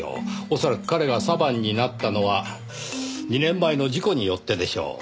恐らく彼がサヴァンになったのは２年前の事故によってでしょう。